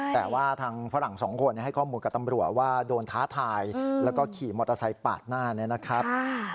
แต่ว่าทางฝรั่งสองคนให้ข้อมูลกับตำรวจว่าโดนท้าทายแล้วก็ขี่มอเตอร์ไซค์ปาดหน้าเนี่ยนะครับ